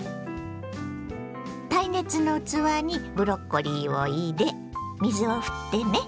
耐熱の器にブロッコリーを入れ水をふってね。